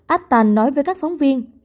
attal nói với các phóng viên